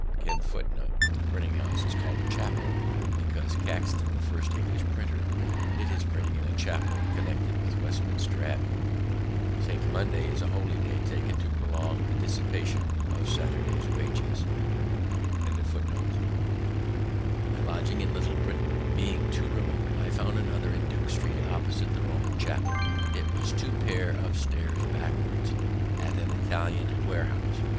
A printing house is called a chapel because Caxton, the first English printer, did his printing in a chapel connected with Westminster Abbey. A holiday taken to prolong the dissipation of Saturday's wages. My lodging in Little Britain being too remote, I found another in Duke street, opposite to the Romish Chapel. It was two pair of stairs backwards, at an Italian warehouse.